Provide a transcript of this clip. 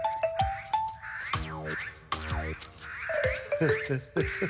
フフフフ。